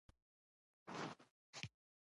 پیاز د ناروغیو مخنیوی کوي